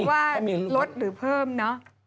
ว่าลดหรือเพิ่มเนอะ